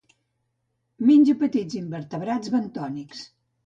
Menja petits invertebrats bentònics.